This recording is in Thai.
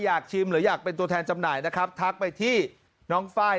อยากชิมหรืออยากเป็นตัวแทนจำหน่ายนะครับทักไปที่น้องไฟล์